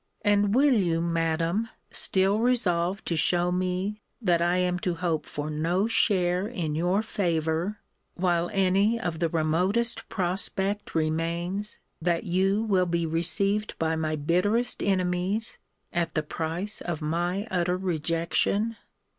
and will you, Madam, still resolve to show me that I am to hope for no share in your favour, while any the remotest prospect remains that you will be received by my bitterest enemies, at the price of my utter rejection?